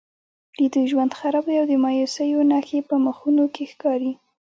د دوی ژوند خراب دی او د مایوسیو نښې په مخونو کې ښکاري.